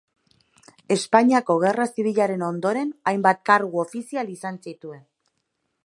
Espainiako Gerra Zibilaren ondoren hainbat kargu ofizial izan zituen.